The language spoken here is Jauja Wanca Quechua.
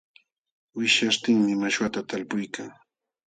Wishyaśhtinmi mashwata talpuykan.